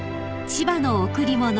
［『千葉の贈り物』］